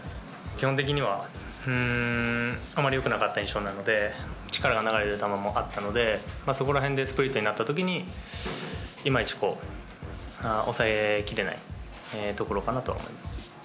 基本的にはあまりよくなかった印象なので、力が流れる球もあったので、そこらへんでスプリットになったときに、いまいち抑えきれないところかなとは思います。